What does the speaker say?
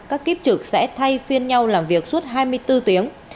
các kiếp trực sẽ thay phiên nhau làm việc suốt hai mươi bốn tiếng